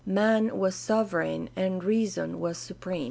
Man was sovereign and reason was supreme.